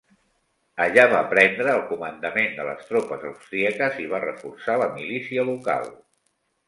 Allà va prendre el comandament de les tropes austríaques i va reforçar la milícia local.